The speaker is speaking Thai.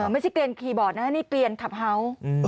ไม่ใช่เปลี่ยนคีย์บอร์ดนะนี่เปลี่ยนทัพเฮ้าส์